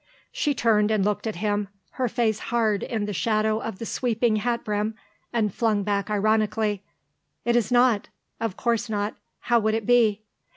She turned and looked at him, her face hard in the shadow of the sweeping hat brim, and flung back ironically, "It is not. Of course not; how would it be?"